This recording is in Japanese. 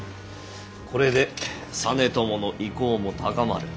これで実朝の威光も高まる。